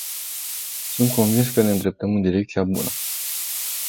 Sunt convins că ne îndreptăm în direcția bună.